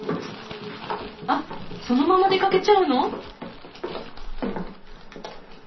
あっそのまま出かけちゃうの？